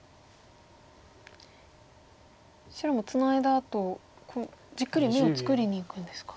白もツナいだあとじっくり眼を作りにいくんですか。